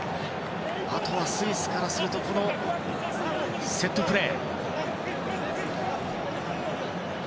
あとはスイスからするとセットプレー。